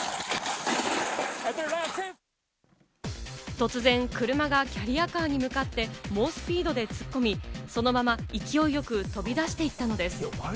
突然車がキャリアカーに向かって猛スピードで突っ込み、そのまま勢いよく飛び出していったのです。